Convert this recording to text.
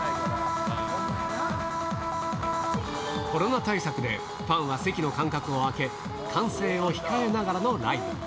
コロナ対策でファンは席の間隔をあけ、歓声を控えながらのライブ。